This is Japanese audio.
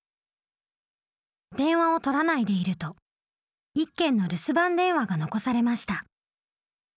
電話を取らないでいると１件の留守番電話が残されました。